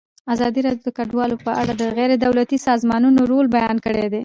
ازادي راډیو د کډوال په اړه د غیر دولتي سازمانونو رول بیان کړی.